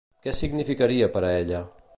Què significaria per a ella?